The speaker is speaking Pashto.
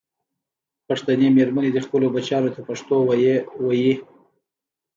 پښتنې مېرمنې دې خپلو بچیانو ته پښتو ویې ویي.